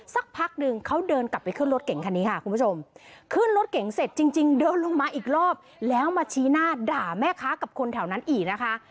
สักพักหนึ่งเขาเดินกลับไปขึ้นรถเก่งคันนี้ค่ะคุณผู้ชมขึ้นรถเก่งเสร็จจริงเดินลงมาอีกรอบแล้วมาชี้หน้าด่าแม่ค้ากับคนแถวนั้นอีกนะคะ